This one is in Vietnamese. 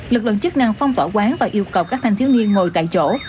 lực lượng chức năng phong tỏa quán và yêu cầu các thanh thiếu niên ngồi tại chỗ